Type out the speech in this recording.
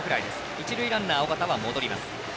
一塁ランナー、緒方は戻ります。